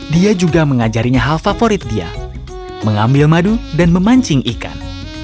dia juga mengajarinya hal favorit dia mengambil madu dan memancing ikan